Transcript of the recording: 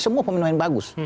semua pemain pemain bagus